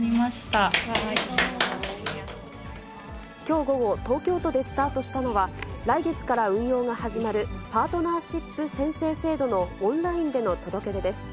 きょう午後、東京都でスタートしたのは、来月から運用が始まるパートナーシップ宣誓制度のオンラインでの届け出です。